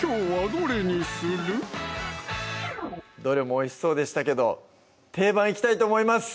どれもおいしそうでしたけど定番いきたいと思います！